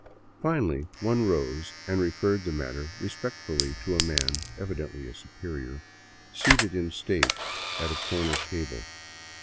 Finally one rose and re ferred the matter respectfully to a man, evidently a superior, seated in state at a corner table.